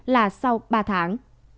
là sau ba tháng